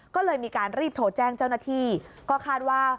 ก็เลยมีการรีบโทรแจ้งเจ้าหน้าที่ก็คาดว่า